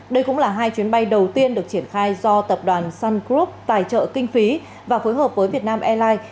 đây cũng là hai chuyến bay đầu tiên được triển khai do tập đoàn sun group tài trợ kinh phí và phối hợp với việt nam airlines